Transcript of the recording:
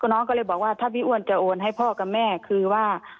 น้องก็เลยบอกว่าถ้าพี่อ้วนจะโอนให้พ่อกับแม่คือว่า